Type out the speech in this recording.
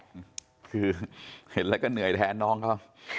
คือเห็นแล้วก็เหนื่อยแทนน้องเขา